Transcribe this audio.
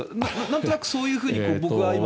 なんとなく、そういうふうに僕は今。